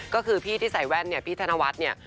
ก็คือพี่ที่ใส่แว่นเนี่ยพี่ธนวัฒน์เนี่ย